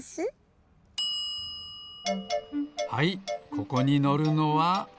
ここにのるのは。